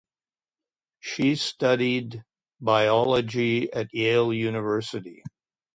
She studied biology at Yale University.